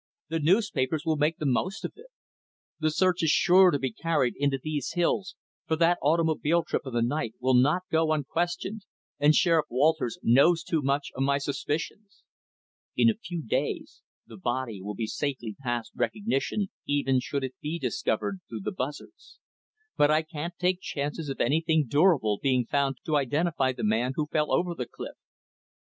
The newspapers will make the most of it. The search is sure to be carried into these hills, for that automobile trip in the night will not go unquestioned, and Sheriff Walters knows too much of my suspicions. In a few days, the body will be safely past recognition, even should it be discovered through the buzzards. But I can't take chances of anything durable being found to identify the man who fell over the cliff."